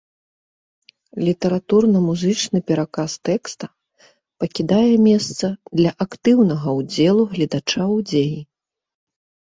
Літаратурна-музычны пераказ тэкста пакідае месца для актыўнага ўдзелу гледача ў дзеі.